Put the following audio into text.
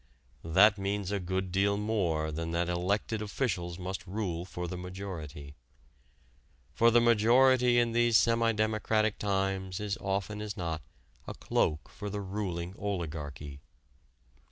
That means a good deal more than that elected officials must rule for the majority. For the majority in these semi democratic times is often as not a cloak for the ruling oligarchy.